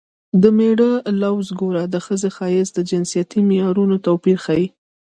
د مېړه لوز ګوره د ښځې ښایست د جنسیتي معیارونو توپیر ښيي